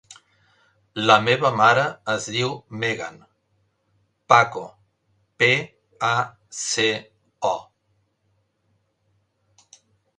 La meva mare es diu Megan Paco: pe, a, ce, o.